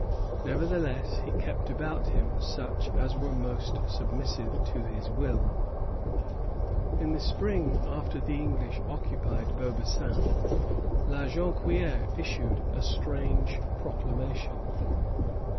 Nevertheless he kept about him such as were most submissive to his will." In the spring after the English occupied Beaubassin, La Jonquière issued a strange proclamation.